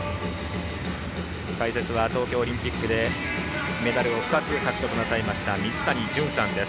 解説は東京オリンピックでメダルを２つ獲得なさいました水谷隼さんです。